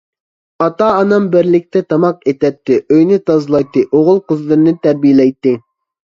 ئاتا-ئانام بىرلىكتە تاماق ئېتەتتى، ئۆينى تازىلايتتى، ئوغۇل-قىزلىرىنى تەربىيەلەيتتى.